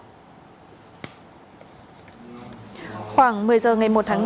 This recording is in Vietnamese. khoảng một mươi h ngày một tháng năm